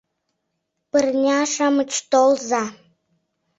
«Пырня-шамыч, толза